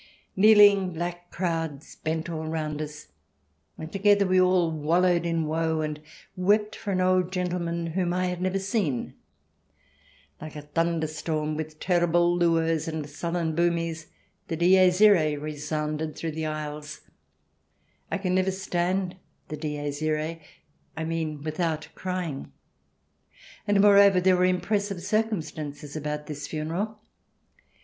Kneeling black crowds bent all round us, and together we all wallowed in woe and wept for an old gentleman whom I had never seen. Like a thunderstorm, with terrible lueurs and sullen boomings, the Dies Irce resounded through the aisles. I can never stand the Dies Irce — I mean without crying. And, moreover, there were impres sive circumstances about this funeral.